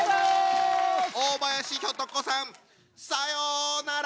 大林ひょと子さんさようなら！